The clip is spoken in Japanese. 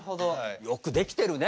よくできてるね。